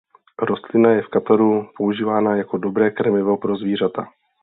Rostlina je v Kataru používána jako dobré krmivo pro zvířata.